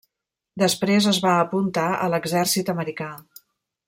Després es va apuntar a l'exèrcit americà.